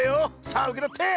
さあうけとって！